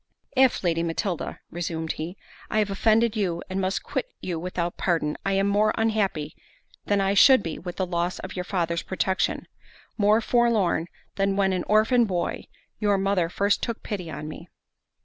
"If, Lady Matilda," resumed he, "I have offended you, and must quit you without pardon, I am more unhappy than I should be with the loss of your father's protection—more forlorn, than when an orphan boy, your mother first took pity on me."